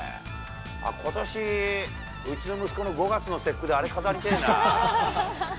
ことし、うちの息子の５月の節句で、あれ、飾りてぇな。